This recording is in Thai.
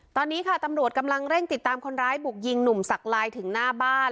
ตอนนี้ค่ะตำรวจกำลังเร่งติดตามคนร้ายบุกยิงหนุ่มสักลายถึงหน้าบ้าน